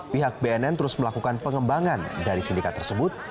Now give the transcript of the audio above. pihak bnn terus melakukan pengembangan dari sindikat tersebut